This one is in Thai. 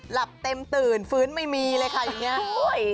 หลับเต็มตื่นฟื้นไม่มีเลยค่ะอย่างนี้